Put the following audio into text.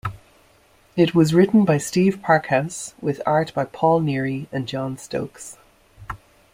It was written by Steve Parkhouse with art by Paul Neary and John Stokes.